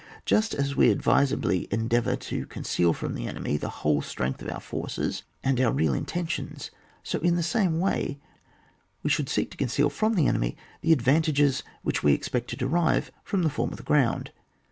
Just as we advisably endeavour to conceal from the enemy the whole strength of our forces and our real in tentions, so in the same way we should seek to conceal from the enemy the ad vantages which we expect to derive from the form of the ground.